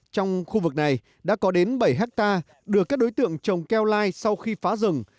trong khu vực này đã có đến bảy hectare được các đối tượng trồng keo lai sau khi phá rừng